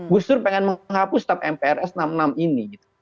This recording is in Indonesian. gus dur pengen menghapus tap mprs enam puluh enam ini